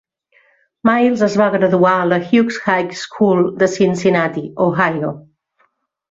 Miles es va graduar a la Hughes High School de Cincinnati, Ohio.